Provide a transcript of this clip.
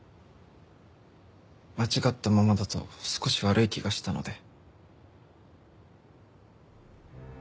間違ったままだと少し悪い気がしたので。